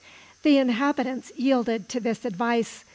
The inhabitants yielded to this advice.